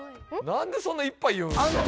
何でそんないっぱい言うんすか。